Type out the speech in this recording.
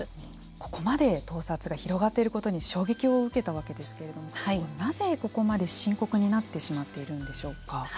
ここまで盗撮が広がっていることに衝撃を受けたわけですけれどもなぜここまで深刻になってしまっているんでしょうか。